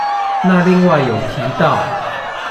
那另外有提到